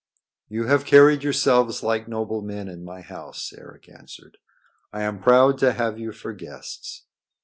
"You have carried yourselves like noble men in my house," Eric answered. "I am proud to have you for guests.